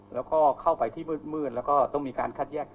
แล้วก็เข้าไปที่มืดแล้วก็ต้องมีการคัดแยก